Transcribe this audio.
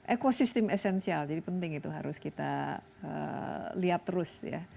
ekosistem esensial jadi penting itu harus kita lihat terus ya